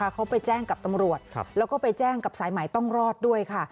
เขาไปแจ้งกับตำรวจแล้วก็ไปแจ้งกับสายใหม่ต้องรอดด้วยค่ะ